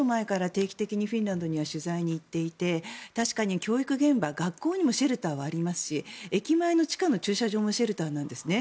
定期的にフィンランドには取材に行っていて確かに教育現場、学校にもシェルターがありますし駅前の地下の駐車場もシェルターなんですね。